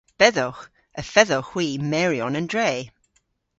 Bedhowgh. Y fedhowgh hwi meryon an dre.